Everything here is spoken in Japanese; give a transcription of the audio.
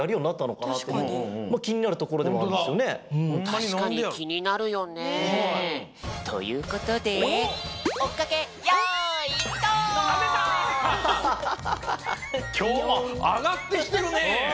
たしかにきになるよね。ということできょうはあがってきてるね！